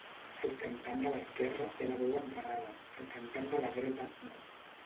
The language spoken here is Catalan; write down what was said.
El cantant de l'esquerra té la veu entrenada, el cantant de la dreta no.